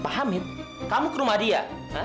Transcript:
pak hamid kamu ke rumah dia